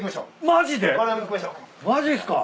マジっすか。